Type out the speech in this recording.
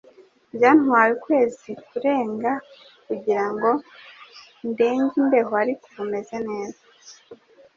Byatwaye ukwezi kurenga kugira ngo ndenge imbeho, ariko ubu meze neza.